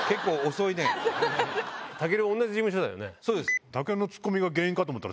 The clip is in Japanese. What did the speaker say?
たける同じ事務所だよね？